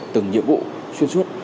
từng nhiệm vụ xuyên suốt